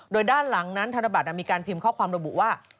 โดยด้านหลังนั้นธนบัตรมีการพิมพ์ข้อความระบุว่า